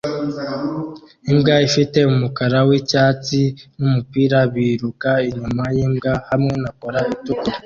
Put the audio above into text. Imbwa ifite umukara wicyatsi numupira biruka inyuma yimbwa hamwe na cola itukura